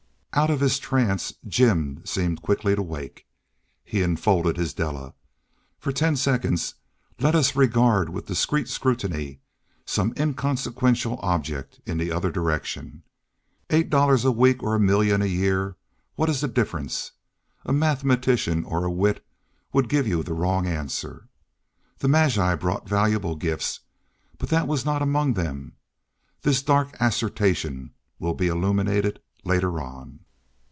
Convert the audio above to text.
Out of his trance Jim seemed quickly to wake. He enfolded his Della. For ten seconds let us regard with discreet scrutiny some inconsequential object in the other direction. Eight dollars a week or a million a year—what is the difference? A mathematician or a wit would give you the wrong answer. The magi brought valuable gifts, but that was not among them. This dark assertion will be illuminated later on.